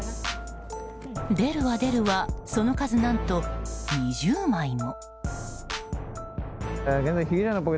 出るは、出るはその数何と２０枚も。